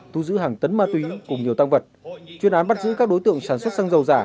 thu giữ hàng tấn ma túy cùng nhiều tăng vật chuyên án bắt giữ các đối tượng sản xuất xăng dầu giả